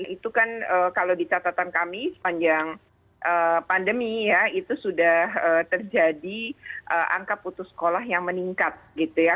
itu kan kalau di catatan kami sepanjang pandemi ya itu sudah terjadi angka putus sekolah yang meningkat gitu ya